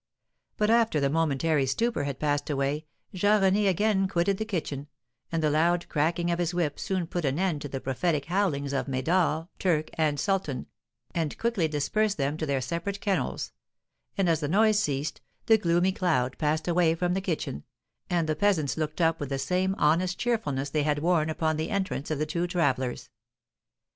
But after the momentary stupor had passed away Jean René again quitted the kitchen, and the loud cracking of his whip soon put an end to the prophetic howlings of Médor, Turk, and Sultan, and quickly dispersed them to their separate kennels, and as the noise ceased, the gloomy cloud passed away from the kitchen, and the peasants looked up with the same honest cheerfulness they had worn upon the entrance of the two travellers.